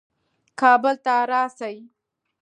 کابل ته راسي.